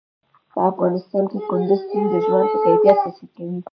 په افغانستان کې کندز سیند د ژوند په کیفیت تاثیر کوي.